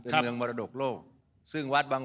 ที่จะเป็นความสุขของชาวบ้าน